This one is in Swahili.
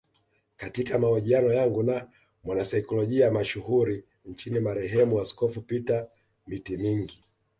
Katika mahojiano yangu na mwanasaikolojia mashuhuri nchini marehemu askofu Peter Mitimingi